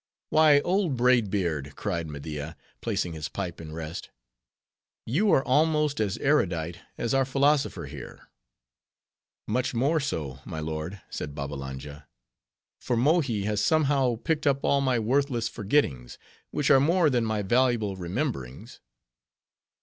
"Why, old Braid Beard," cried Media, placing his pipe in rest, "you are almost as erudite as our philosopher here." "Much more so, my lord," said Babbalanja; "for Mohi has somehow picked up all my worthless forgettings, which are more than my valuable rememberings."